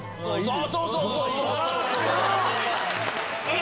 そうそうそうそう！